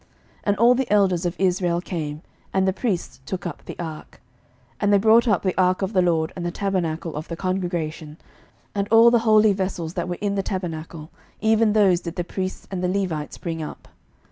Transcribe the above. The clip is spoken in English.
11:008:003 And all the elders of Israel came, and the priests took up the ark. 11:008:004 And they brought up the ark of the LORD, and the tabernacle of the congregation, and all the holy vessels that were in the tabernacle, even those did the priests and the Levites bring up.